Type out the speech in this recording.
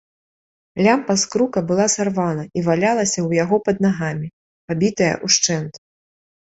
Лямпа з крука была сарвана і валялася ў яго пад нагамі, пабітая ўшчэнт.